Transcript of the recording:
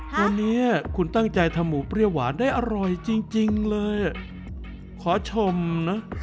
ตอนนี้คุณตั้งใจทำหมูเปรี้ยวหวานได้อร่อยจริงเลยขอชมนะ